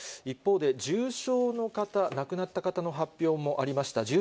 一方で、重症の方、亡くなった方の発表もありました。